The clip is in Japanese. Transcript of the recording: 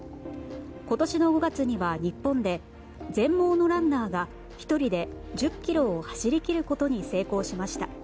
今年の５月には日本で全盲のランナーが１人で１０ｋｍを走り切ることに成功しました。